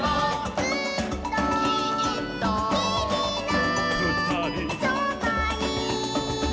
「ずっと」「きっと」「きみの」「ふたり」「そばに」